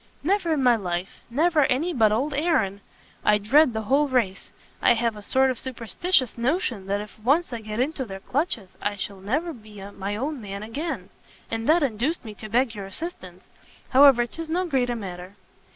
"Never in my life: never any but old Aaron. I dread the whole race; I have a sort of superstitious notion that if once I get into their clutches, I shall never be my own man again; and that induced me to beg your assistance. However, 'tis no great matter."